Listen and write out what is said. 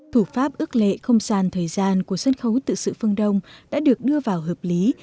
thủ pháp ước lệ không gian thời gian của sân khấu tự sự phương đông đã được đưa vào hợp lý